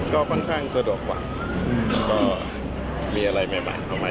ก็ค่อนข้างสะดวกกว่าก็มีอะไรใหม่เข้ามา